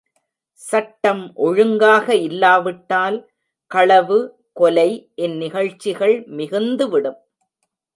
சட்டம் ஒழுங்காக இல்லாவிட்டால் களவு, கொலை இந் நிகழ்ச்சிகள் மிகுந்துவிடும்.